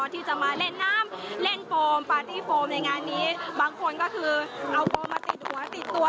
ที่จะมาเล่นน้ำเล่นโฟมปาร์ตี้โฟมในงานนี้บางคนก็คือเอาโฟมมาติดหัวติดตัว